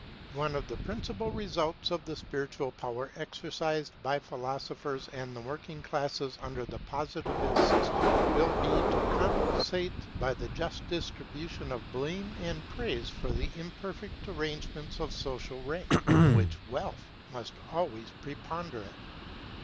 One of the principal results of the spiritual power exercised by philosophers and the working classes under the Positivist system, will be to compensate by a just distribution of blame and praise for the imperfect arrangements of social rank, in which wealth must always preponderate.